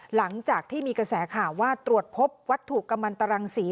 หลังจากที่มีกระแสข่าวว่าตรวจพบวัตถุกำลังตรังสี